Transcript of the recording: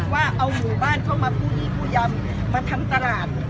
ว่าเอาหมู่บ้านเข้ามากู้หนี้ผู้ยำมาทำตลาด